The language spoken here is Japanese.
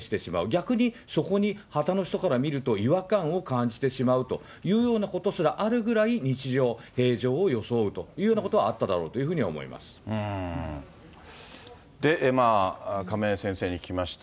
逆にそこにはたの人から見ると違和感を感じてしまうというようなことすらあるぐらい、日常、平常を装うというようなことはあった亀井先生に聞きました。